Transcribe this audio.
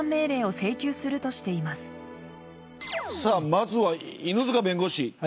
まずは犬塚弁護士。